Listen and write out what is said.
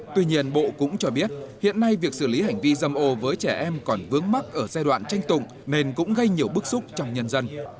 tuy nhiên bộ cũng cho biết hiện nay việc xử lý hành vi dâm ô với trẻ em còn vướng mắt ở giai đoạn tranh tụng nên cũng gây nhiều bức xúc trong nhân dân